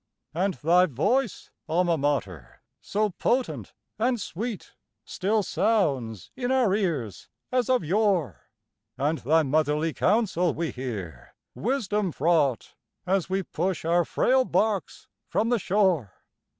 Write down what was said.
And thy voice, Alma Mater, so potent and sweet, Still sounds in our ears as of yore, And thy motherly counsel we hear, wisdom fraught, As we push our frail barks from the shore.